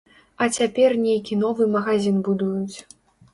А цяпер нейкі новы магазін будуюць.